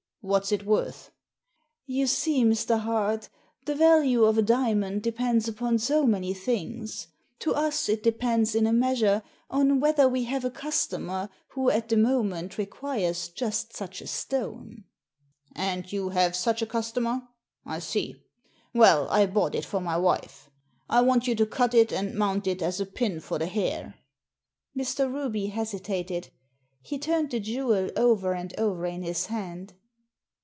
What's it worth ?" ''You see, Mr. Hart, the value of a diamond de pends upon so many things. To us it depends in Digitized by VjOOQIC THE DIAMONDS 199 a measure on whether we have a customer who at the moment requires just such a stone." "And you have such a customer? I see. Well, I bought it for my wife. I want you to cut it and mount it as a pin for the hair." Mr. Ruby hesitated. He turned the jewel over and over in his hand.